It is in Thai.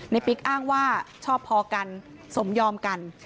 ปิ๊กอ้างว่าชอบพอกันสมยอมกัน